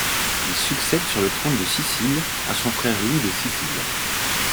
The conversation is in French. Il succède sur le trône de Sicile à son frère Louis de Sicile.